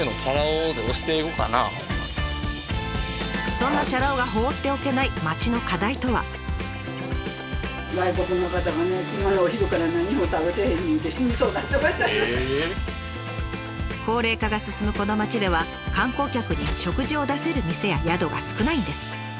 そんなチャラ男が放っておけない高齢化が進むこの町では観光客に食事を出せる店や宿が少ないんです。